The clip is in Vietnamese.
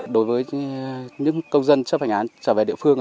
đối với những công dân chấp hành án trở về địa phương